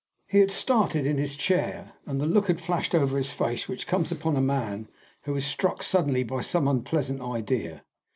He had started in his chair, and the look had flashed over his face which comes upon a man who is struck suddenly by some unpleasant idea.